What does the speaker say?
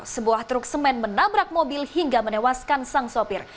sebuah truk semen menabrak mobil hingga menewaskan sang sopir